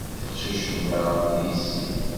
Tiqcicin-a d yessi.